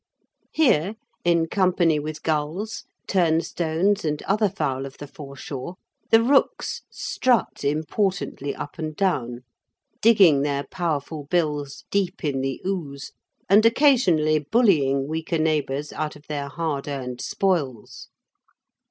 Here, in company with gulls, turnstones, and other fowl of the foreshore, the rooks strut importantly up and down, digging their powerful bills deep in the ooze and occasionally bullying weaker neighbours out of their hard earned spoils.